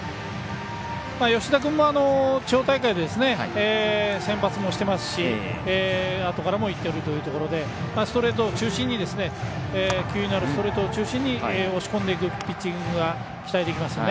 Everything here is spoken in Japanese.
吉田君も地方大会で先発もしてますしあとからもいけるということで球威のあるストレート中心に押し込んでいくピッチングが期待できますね。